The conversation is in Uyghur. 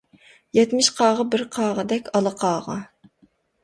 يەتمىش قاغا بىر قاغىدەك ئالا قاغا.